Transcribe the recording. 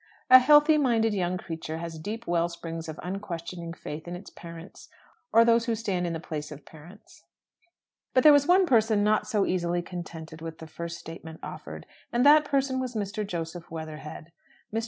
A healthy minded young creature has deep well springs of unquestioning faith in its parents, or those who stand in the place of parents. But there was one person not so easily contented with the first statement offered; and that person was Mr. Joseph Weatherhead. Mr.